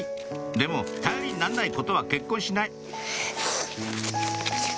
「でも頼りにならない子とは結婚しない」